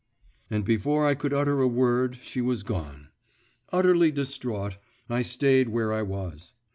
And before I could utter a word she was gone. Utterly distraught, I stayed where I was.